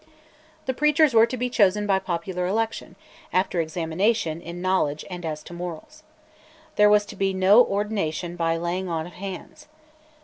The preachers were to be chosen by popular election, after examination in knowledge and as to morals. There was to be no ordination "by laying on of hands."